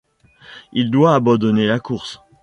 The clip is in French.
Il doit abandonner la course.